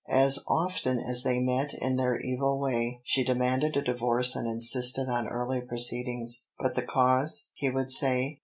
As often as they met in their evil way, she demanded a divorce and insisted on early proceedings. "But the cause?" he would say.